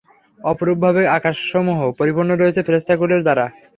অনুরূপভাবে আকাশসমূহ পরিপূর্ণ রয়েছে ফেরেশতাকুলের দ্বারা।